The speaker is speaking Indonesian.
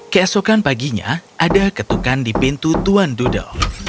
keesokan paginya ada ketukan di pintu tuan dudel